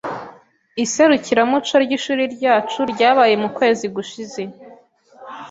Iserukiramuco ryishuri ryacu ryabaye mukwezi gushize.